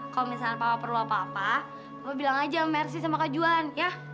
kamu bilang aja mersi sama kajuan ya